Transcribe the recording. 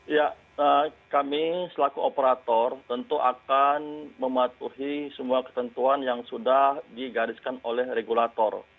ya kami selaku operator tentu akan mematuhi semua ketentuan yang sudah digariskan oleh regulator